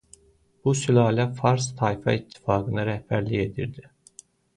Bu sülalə fars tayfa ittifaqına rəhbərlik edirdi.